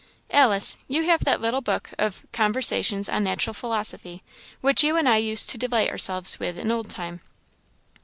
Alice, you have that little book of Conversations on Natural Philosophy, which you and I used to delight ourselves with in old time."